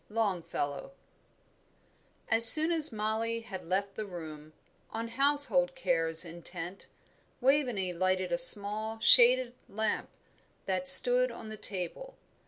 LONGFELLOW. As soon as Mollie had left the room, on household cares intent, Waveney lighted a small, shaded lamp that stood on the table.